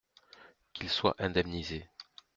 Qu’il soit indemnisé.